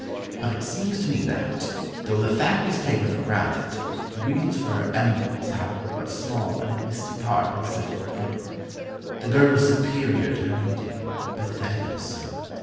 But it seems to me that, though the fact is taken for granted, the reasons for her eminence have in but small and misty part been set into print.... The girl is superior to her medium, pathetically so....